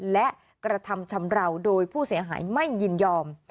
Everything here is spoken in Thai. และกระทำชำราวโดยผู้เสียหายไม่ยินยอม